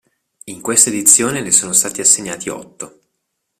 In questa edizione ne sono stati assegnati otto.